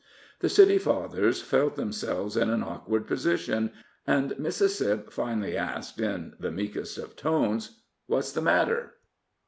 The city fathers felt themselves in an awkward position, and Mississip finally asked, in the meekest of tones: "What's the matter?"